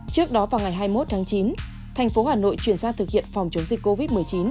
trước đó vào ngày hai mươi một tháng chín thành phố hà nội chuyển ra thực hiện phòng chống dịch covid một mươi chín